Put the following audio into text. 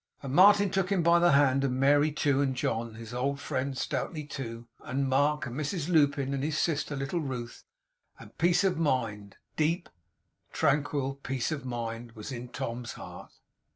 And Martin took him by the hand, and Mary too, and John, his old friend, stoutly too; and Mark, and Mrs Lupin, and his sister, little Ruth. And peace of mind, deep, tranquil peace of mind, was in Tom's heart.